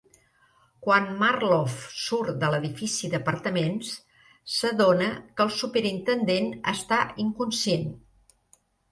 Quan Marlowe surt de l'edifici d'apartaments, s'adona que el superintendent està inconscient.